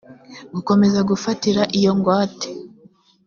gukomeza gufatira iyo ngwate